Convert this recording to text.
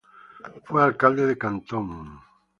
Fue alcalde de Cantón.